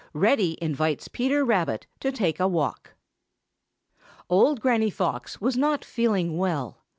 REDDY INVITES PETER RABBIT TO TAKE A WALK |OLD GRANNY FOX was not feeling well.